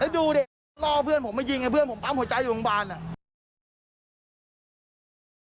ดูดิล่อเพื่อนผมมายิงไอ้เพื่อนผมปั๊มหัวใจอยู่โรงพยาบาลอ่ะ